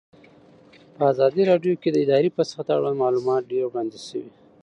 په ازادي راډیو کې د اداري فساد اړوند معلومات ډېر وړاندې شوي.